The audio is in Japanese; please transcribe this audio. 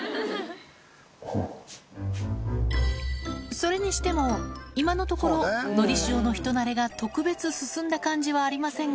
それにしても今のところ、のりしおの人なれが特別進んだ感じはありませんが。